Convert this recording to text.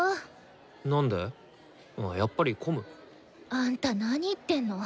あんたなに言ってんの？